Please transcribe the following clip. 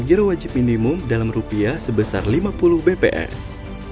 bagi wajib minimum dalam rupiah sebesar lima puluh bps